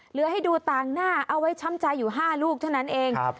ให้ดูต่างหน้าเอาไว้ช้ำใจอยู่๕ลูกเท่านั้นเอง